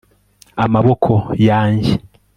amaboko yanjye